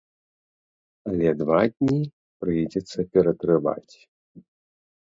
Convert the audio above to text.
Але два дні прыйдзецца ператрываць.